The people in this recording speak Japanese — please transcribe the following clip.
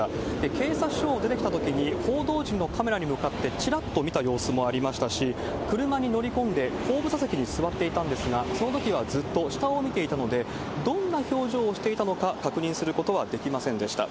警察署を出てきたときに、報道陣のカメラに向かってちらっと見た様子もありましたし、車に乗り込んで後部座席に座っていたんですが、そのときはずっと下を見ていたので、どんな表情をしていたのか確認することはできませんでした。